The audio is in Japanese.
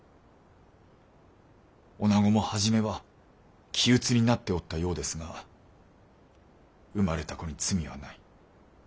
女子も初めは気鬱になっておったようですが生まれた子に罪はない。